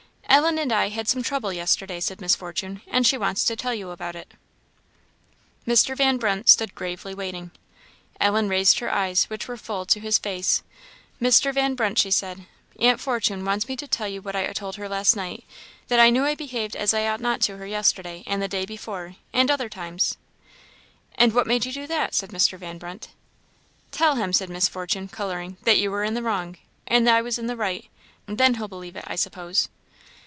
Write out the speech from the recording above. "Ellen and I had some trouble yesterday," said Miss Fortune; "and she wants to tell you about it." Mr. Van Brunt stood gravely waiting. Ellen raised her eyes, which were full, to his face. "Mr. Van Brunt," she said, "Aunt Fortune wants me to tell you what I told her last night that I knew I behaved as I ought not to her yesterday, and the day before, and other times." "And what made you do that?" said Mr. Van Brunt. "Tell him," said Miss Fortune, colouring, "that you were in the wrong, and I was in the right then he'll believe it, I suppose."